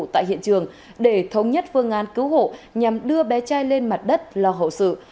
tại hiện trường để thống nhất phương án cứu hộ nhằm đưa bé trai lên mặt đất lo hậu sự